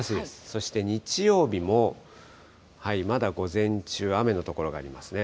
そして日曜日も、まだ午前中、雨の所がありますね。